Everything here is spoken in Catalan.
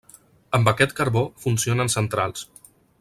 Amb aquest carbó funcionen centrals.